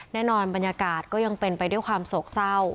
บรรยากาศก็ยังเป็นไปด้วยความโศกเศร้า